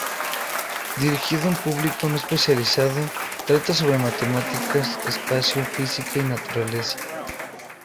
Dirigido a un público no especializado, trata sobre matemáticas, espacio, física y naturaleza.